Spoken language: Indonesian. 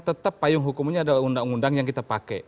tetap payung hukumnya adalah undang undang yang kita pakai